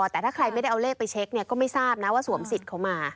แต่ถ้าใครไม่ได้เอาเลขไปเช็คก็ไม่ทราบนะว่าสวมสิทธิ์เขามา